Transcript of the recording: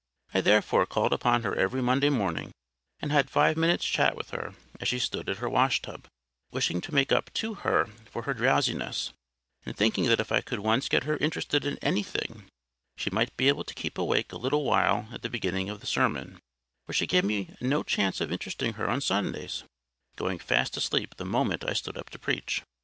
I, therefore, called upon her every Monday morning, and had five minutes' chat with her as she stood at her wash tub, wishing to make up to her for her drowsiness; and thinking that if I could once get her interested in anything, she might be able to keep awake a little while at the beginning of the sermon; for she gave me no chance of interesting her on Sundays—going fast asleep the moment I stood up to preach.